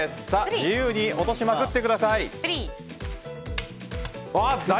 自由に落としまくってください。